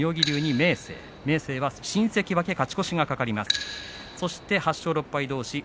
明生は新関脇勝ち越しが懸かります。